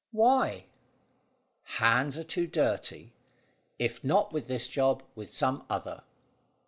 "Why?" "Hands are too dirty; if not with this job, with some other."